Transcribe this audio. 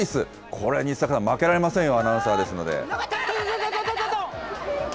これ西阪さん、負けられませんよ、アナウンサーですので。